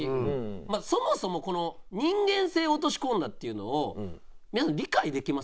まずそもそもこの人間性を落とし込んだっていうのを皆さん理解できます？